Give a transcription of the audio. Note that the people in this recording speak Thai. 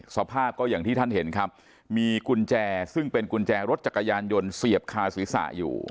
สภาพก็อย่างที่ท่านเห็นครับมีกุญแจซึ่งเป็นกุญแจรถจักรยานยนต์เสียบคาศีรษะอยู่